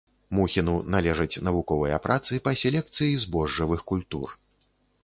Мухіну належаць навуковыя працы па селекцыі збожжавых культур.